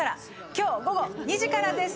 今日、午後２時からです。